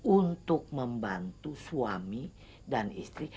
untuk membantu suami dan istri